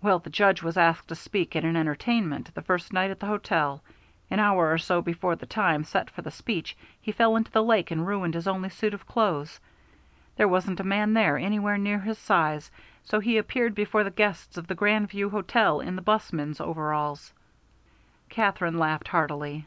Well, the Judge was asked to speak at an entertainment the first night at the hotel. An hour or so before the time set for the speech he fell into the lake and ruined his only suit of clothes. There wasn't a man there anywhere near his size, so he appeared before the guests of the Grand View Hotel in the 'bus man's overalls." Katherine laughed heartily.